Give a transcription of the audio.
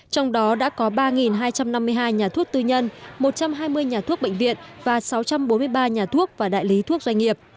trong đó đã có ba hai trăm năm mươi hai nhà thuốc tư nhân một trăm hai mươi nhà thuốc bệnh viện và sáu trăm bốn mươi ba nhà thuốc và đại lý thuốc doanh nghiệp